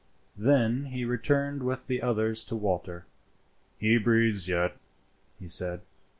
Then he returned with the others to Walter. "He breathes yet," he said.